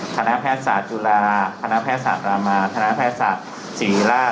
ธนแพทย์ศาสตร์จุฬาธนแพทย์ศาสตร์รามาธนแพทย์ศาสตร์สิริราช